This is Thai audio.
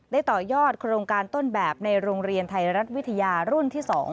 ต่อยอดโครงการต้นแบบในโรงเรียนไทยรัฐวิทยารุ่นที่๒